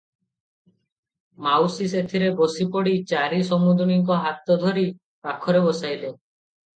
ମାଉସୀ ସେଥିରେ ବସିପଡ଼ି ଚାରି ସମୁନ୍ଧୁଣୀଙ୍କ ହାତଧରି ପାଖରେ ବସାଇଲେ ।